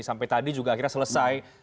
sampai tadi juga akhirnya selesai